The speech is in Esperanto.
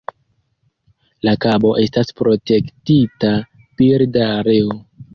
La kabo estas protektita birda areo.